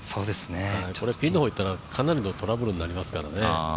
これピンの方にいったらかなりのトラブルになりますからね。